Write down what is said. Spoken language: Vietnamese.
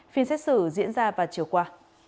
phiên xét xử diễn ra vào chiều qua